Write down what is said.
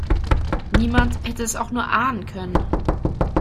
Niemand hätte es auch nur ahnen können.